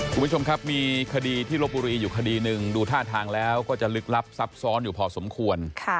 คุณผู้ชมครับมีคดีที่ลบบุรีอยู่คดีหนึ่งดูท่าทางแล้วก็จะลึกลับซับซ้อนอยู่พอสมควร